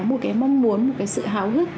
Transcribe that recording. một cái mong muốn một cái sự hào hức